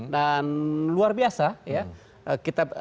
dan luar biasa ya